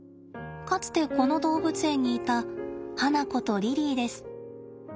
かつてこの動物園にいた花子とリリーです。